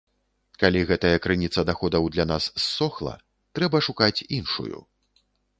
Калі гэтая крыніца даходаў для нас ссохла, трэба шукаць іншую.